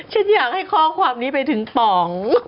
ฉันอยากให้ข้อความนี้ไปถึงป๋อง